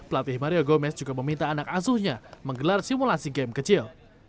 pelatih mario gomez juga meminta anak asuhnya menggelar simulasi game kecil